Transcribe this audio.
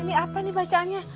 ini apa nih bacaannya